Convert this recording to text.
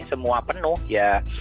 semua penuh ya